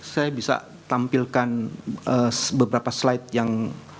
saya bisa tampilkan beberapa slide yang